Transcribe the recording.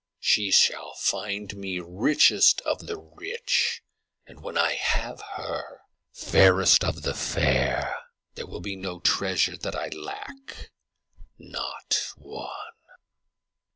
She shall find me richest of the rich; and when I have her, fairest of the fair, there will be no treasure that I lack, not one!"